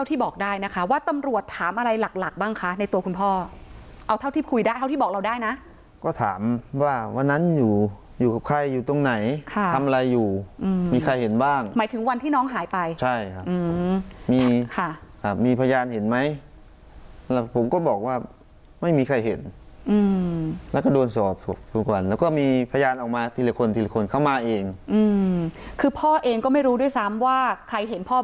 ที่บอกได้นะคะว่าตำรวจถามอะไรหลักหลักบ้างคะในตัวคุณพ่อเอาเท่าที่คุยได้เท่าที่บอกเราได้นะก็ถามว่าวันนั้นอยู่อยู่กับใครอยู่ตรงไหนทำอะไรอยู่มีใครเห็นบ้างหมายถึงวันที่น้องหายไปใช่ครับมีค่ะมีพยานเห็นไหมแล้วผมก็บอกว่าไม่มีใครเห็นอืมแล้วก็โดนสอบทุกวันแล้วก็มีพยานออกมาทีละคนทีละคนเข้ามาเองอืมคือพ่อเองก็ไม่รู้ด้วยซ้ำว่าใครเห็นพ่อ